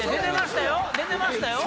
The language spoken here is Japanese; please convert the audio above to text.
出てましたよ。